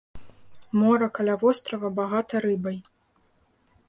Мора каля вострава багата рыбай.